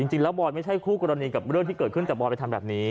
บอยไม่ใช่คู่กรณีกับเรื่องที่เกิดขึ้นแต่บอยไปทำแบบนี้